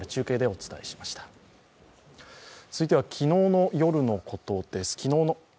続いては昨日のことです。